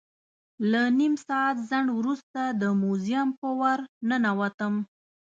له نیم ساعت ځنډ وروسته د موزیم په ور ننوتم.